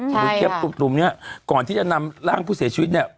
หรือเคปกลุ่มเนี่ยก่อนที่จะนำร่างผู้เสียชีวิตเนี่ย